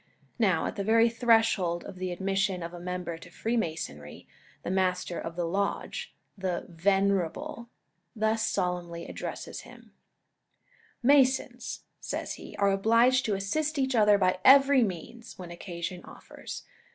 Now, at the very threshold of the admission of a member to Freemasonry, the Master of the Lodge, the "Venerable," thus solemnly addresses him : "Masons," says he, "are obliged to assist each other by every means, when occasion offers.